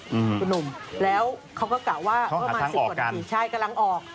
เป็นนุ่มแล้วเขาก็กล่าวว่ามา๑๐กว่านาทีกำลังออก